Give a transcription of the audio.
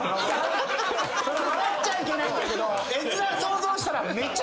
笑っちゃいけないんだけど。